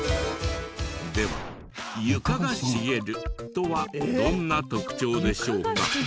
では「床がしげる」とはどんな特徴でしょうか？